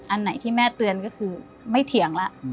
อันไหนที่แม่เตือนก็คือไม่เถียงแล้ว